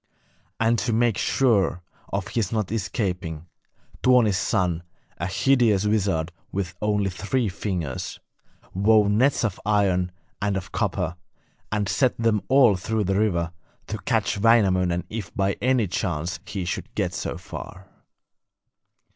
And to make sure of his not escaping, Tuoni's son, a hideous wizard with only three fingers, wove nets of iron and of copper, and set them all through the river, to catch Wainamoinen if by any chance he should get so far.